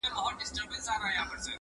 که ما کوې، که لالا کوې، که ما کوې.